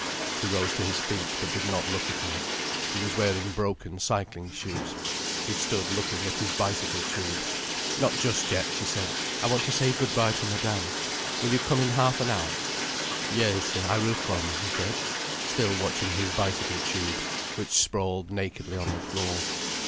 He rose to his feet, but did not look at her. He was wearing broken cycling shoes. He stood looking at his bicycle tube. "Not just yet," she said. "I want to say good bye to Madame. Will you come in half an hour?" "Yes, I will come," he said, still watching his bicycle tube, which sprawled nakedly on the floor.